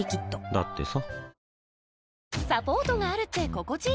だってさ